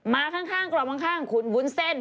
มาข้างกรอบข้างคุณวุ้นเส้น